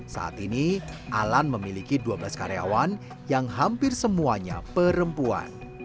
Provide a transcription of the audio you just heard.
saat ini alan memiliki dua belas karyawan yang hampir semuanya perempuan